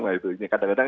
nah itu ini kadang kadang